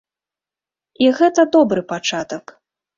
І гэта добры пачатак.